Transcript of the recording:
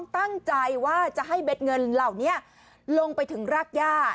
ตั้งใจว่าจะให้เบ็ดเงินเหล่านี้ลงไปถึงรากย่า